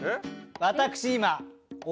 私。